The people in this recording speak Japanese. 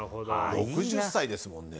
６０歳ですもんね。